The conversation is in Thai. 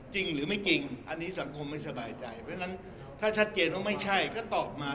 จริงหรือไม่จริงอันนี้สังคมไม่สบายใจเพราะฉะนั้นถ้าชัดเจนว่าไม่ใช่ก็ตอบมา